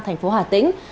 thành phố hà tĩnh